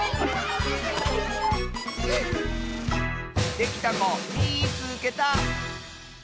できたこみいつけた！